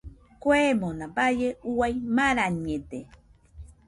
Kuemona baie uai marañede.